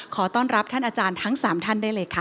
ขอต้อนรับท่านอาจารย์ทั้ง๓ท่านได้เลยค่ะ